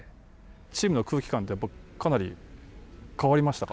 チームの空気感ってやっぱかなり変わりましたか？